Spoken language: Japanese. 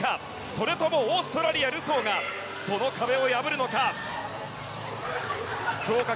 それともオーストラリアルソーがその壁を破るのか。